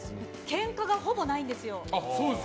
ケンカがほぼないんですよ。